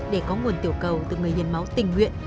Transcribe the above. để có nguồn tiểu cầu từ người hiến máu tình nguyện